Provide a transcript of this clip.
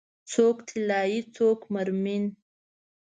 څوک طلایې، څوک مرمرین